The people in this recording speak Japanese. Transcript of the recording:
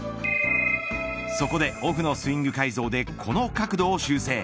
そこで、オフのスイング改造でこの角度を修正。